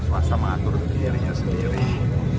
suasana mengatur dirinya sendiri